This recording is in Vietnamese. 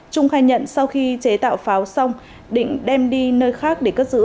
trung khai nhận sau khi chế tạo pháo xong định đem đi nơi khác để cất giữ